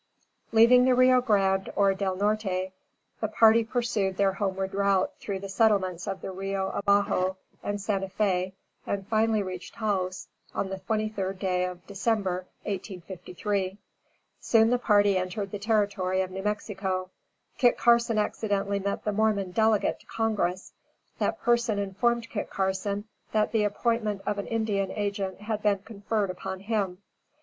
Leaving the Rio Grande or del Norte, the party pursued their homeward route through the settlements of the Rio Abajo and Santa Fé and finally reached Taos on the twenty third day of December, 1853. Soon after the party entered the Territory of New Mexico, Kit Carson accidentally met the Mormon delegate to Congress. That person informed Kit Carson that the appointment of an Indian Agent had been conferred upon him.